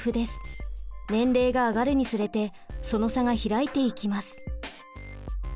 年齢が上がるにつれてその差が開いていきます。